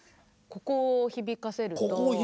ここを響かせる。